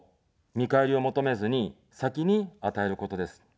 見返りを求めずに、先に与えることです。